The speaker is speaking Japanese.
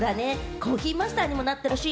コーヒーマスターにもなってほしい。